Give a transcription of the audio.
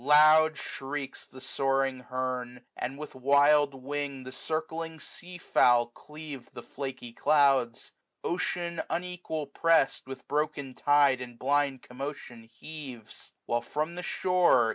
Loud shrieks die soaring hernj and with wild wing The circling sea fowl cleave the flaky clouds. Qcean, unequal pressed, with broken tide And blind commotion heaves; while from the shore.